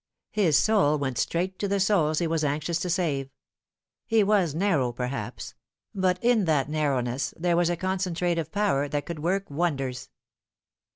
His soul went straight to the souls he was anxious to save. He was narrow, perhaps ; but in that narrowness there was a concen trative power that could work wonders.